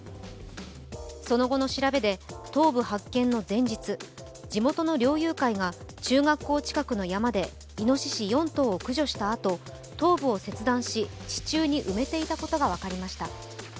その後の調べて、頭部発見の前日、地元の猟友会が中学校近くの山でいのしし４頭を駆除したあと頭部を切断し、地中に埋めていたことが分かりました。